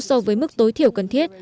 so với mức tối thiểu cần thiết